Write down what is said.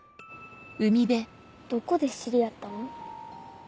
どこで知り合ったの？